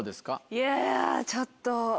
いやちょっと。